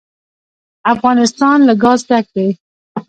افغانستان له ګاز ډک دی.